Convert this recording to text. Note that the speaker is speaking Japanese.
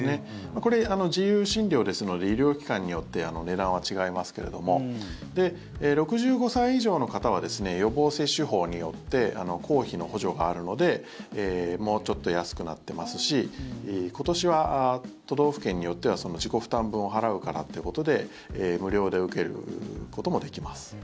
これ、自由診療ですので医療機関によって値段は違いますけれども６５歳以上の方は予防接種法によって公費の補助があるのでもうちょっと安くなってますし今年は都道府県によっては自己負担分を払うからっていうことで無料で受けることもできます。